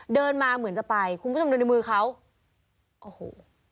เดินมาเหมือนจะไปคุณผู้ชมดูในมือเขาโอ้โห